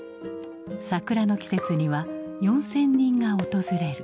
桜の季節には４，０００人が訪れる。